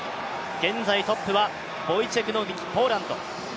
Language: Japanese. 現在トップはボイチェク・ノビキポーランド。